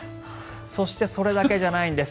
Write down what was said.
そしてそれだけじゃないんです。